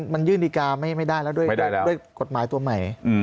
มันยื่นนิกาให้ได้แล้วด้วยกฎหมายตัวนิดหนึ่ง